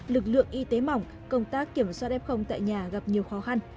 lực lượng y tế mỏng công tác kiểm soát f tại nhà gặp nhiều khó khăn